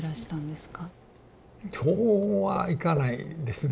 そうはいかないですね。